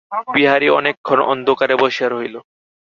বিহারী অনেকক্ষণ অন্ধকারে বসিয়া রহিল।